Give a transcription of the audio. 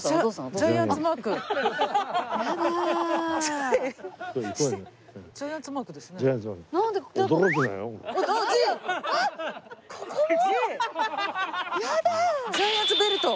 ジャイアンツベルト。